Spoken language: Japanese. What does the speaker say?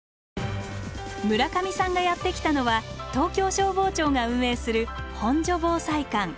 村上さんがやって来たのは東京消防庁が運営する本所防災館。